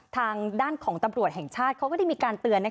ทางด้านของตำรวจแห่งชาติเขาก็ได้มีการเตือน